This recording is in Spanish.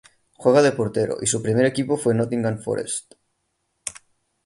Juega de portero y su primer equipo fue Nottingham Forest.